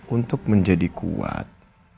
untuk menjadi kuat